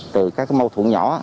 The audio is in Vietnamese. từ các mâu thuẫn nhỏ